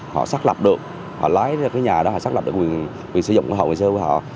họ xác lập được họ lái ra cái nhà đó họ xác lập được quyền sử dụng của họ